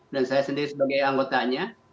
dan saya sendiri sebagai anggotanya